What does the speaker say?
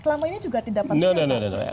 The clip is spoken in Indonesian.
selama ini juga tidak parsial pak